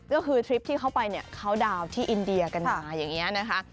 ก็คือทริปที่เข้าไปเนี่ยเขาดาวน์ที่อินเดียกันมาอย่างนี้นะคะ